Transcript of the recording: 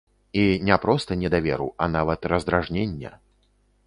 І не проста недаверу, а нават раздражнення.